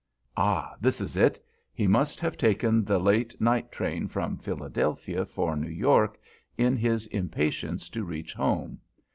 Ah, this is it! He must have taken the late night train from Philadelphia for New York, in his impatience to reach home.